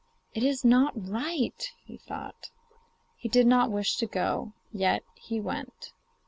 It is not right,' he thought. He did not wish to go, yet he went.